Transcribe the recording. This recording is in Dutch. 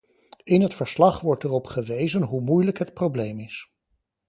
In het verslag wordt erop gewezen hoe moeilijk het probleem is.